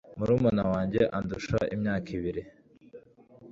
murumuna wanjye andusha imyaka ibiri